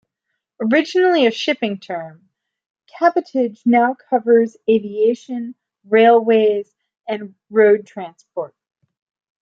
Originally a shipping term, cabotage now covers aviation, railways, and road transport.